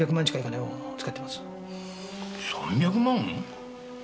３００万！？